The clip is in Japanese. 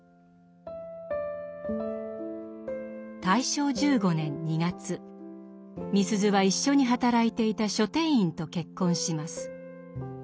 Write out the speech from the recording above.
大正１５年２月みすゞは一緒に働いていた書店員と結婚します。